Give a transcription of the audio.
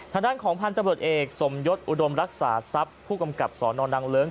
ทางด้านของพันธุ์ตำรวจเอกสมยศอุดมรักษาทรัพย์ผู้กำกับสนนางเลิ้ง